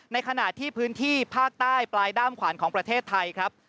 ขณะที่พื้นที่ภาคใต้ปลายด้ามขวานของประเทศไทยครับ